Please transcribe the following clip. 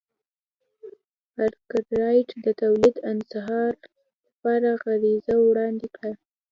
ارکرایټ د تولید انحصار لپاره عریضه وړاندې کړه.